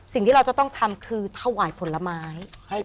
สิ่งที่เราจะต้องทำคือถวายผลไม้